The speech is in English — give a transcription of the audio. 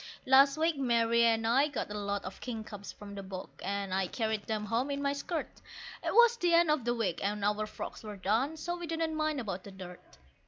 Last week Mary and I got a lot of kingcups from the bog, and I carried them home in my skirt; It was the end of the week, and our frocks were done, so we didn't mind about the dirt.